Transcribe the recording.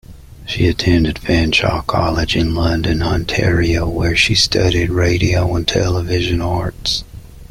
She attended Fanshawe College in London, Ontario where she studied Radio and Television Arts.